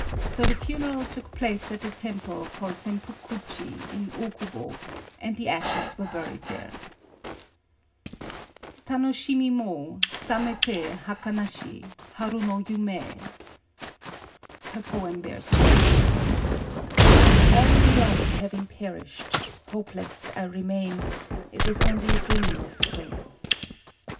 So the funeral took place at the temple called Sempu kuji in Okubo ; and the ashes were buried there. ... Tanoshimi mo Samete hakanashi Ham no yume 1 ^[ Translation,'] — jfU the delight having perished, hopeless I remain : it was only a dream of Spring